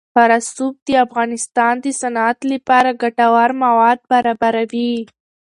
رسوب د افغانستان د صنعت لپاره ګټور مواد برابروي.